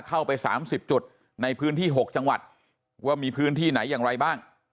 เข้าไป๓๐จุดในพื้นที่๖จังหวัดว่ามีพื้นที่ไหนอย่างไรบ้าง